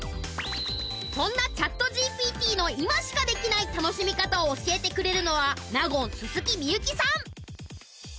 そんなＣｈａｔＧＰＴの今しかできない楽しみ方を教えてくれるのはあっそうなの？